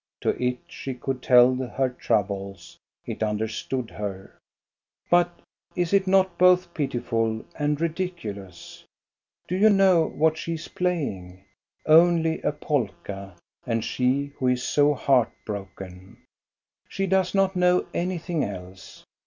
To it she could tell her troubles; it understood her. But is it not both pitiful and ridiculous? Do you GHOST STORIES. 203 know what she is playing? Only a polka, and she who is so heart broken ! She does not know anything else.